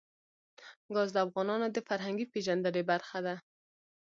ګاز د افغانانو د فرهنګي پیژندنې برخه ده.